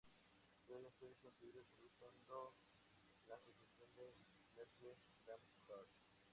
Suelen ser construidas usando la construcción de Merkle-Damgård.